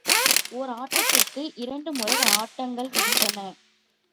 ஓர் ஆட்டத்திற்கு இரண்டு முறை ஆட்டங்கள் இருந்தன.